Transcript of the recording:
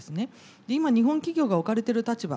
今日本企業が置かれている立場